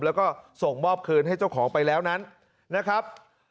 แล้วก็ส่งมอบคืนให้เจ้าของไปแล้วนั้นนะครับ